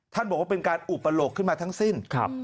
บอกว่าเป็นการอุปโลกขึ้นมาทั้งสิ้น